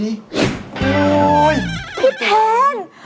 พี่แทน